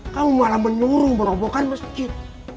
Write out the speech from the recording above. kamu malah menyuruh merobohkan masjid